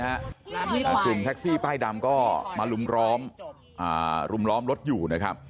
อาคุณทักซี่ป้ายดำก็รุมล้อมรถอยู่